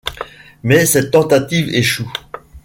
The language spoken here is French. Mais cette tentative échoue.